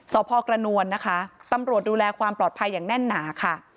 สพกระนวลนะคะตำรวจดูแลความปลอดภัยอย่างแน่นหนาค่ะ